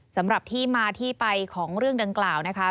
สำหรับที่มาที่ไปของเรื่องดังกล่าวนะคะ